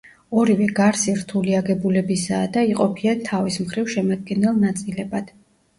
ორივე გარსი რთული აგებულებისაა, და იყოფიან თავის მხრივ, შემადგენელ ნაწილებად.